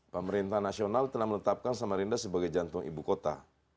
pemerintah nasional telah menetapkan samarinda sebagai jantung ibu kota